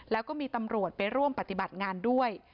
แล้วก็มีตำรวจไปร่วมปฏิบัติงานด้วย